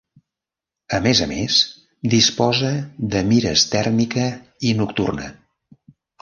A més a més, disposa de mires tèrmica i nocturna.